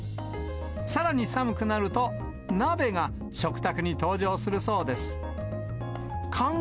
さらに寒くなると、鍋が食卓に登場するそうです。